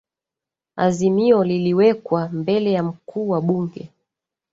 azimio liliwekwa mbele ya mkuu wa bunge